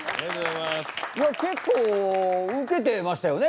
結構ウケてましたよね